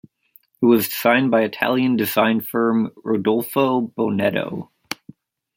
It was designed by Italian design firm Rodolfo Bonetto.